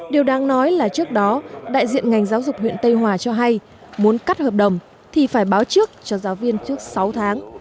điều đáng nói là trước đó đại diện ngành giáo dục huyện tây hòa cho hay muốn cắt hợp đồng thì phải báo trước cho giáo viên trước sáu tháng